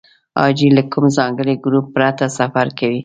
حاجي له کوم ځانګړي ګروپ پرته سفر کوي.